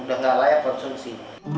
udah gak layak konsumsi